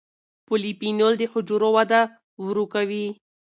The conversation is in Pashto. پولیفینول د حجرو وده ورو کوي.